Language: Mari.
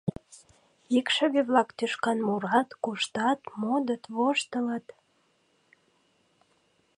Икшыве-влак тӱшкан мурат, куштат, модыт-воштылыт.